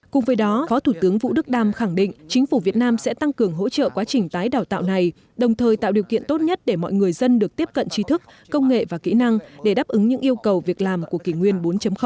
cùng với đó phó thủ tướng vũ đức đam khẳng định chính phủ việt nam sẽ tăng cường hỗ trợ quá trình tái đào tạo này đồng thời tạo điều kiện tốt nhất để mọi người dân được tiếp cận trí thức công nghệ và kỹ năng để đáp ứng những yêu cầu việc làm của kỷ nguyên bốn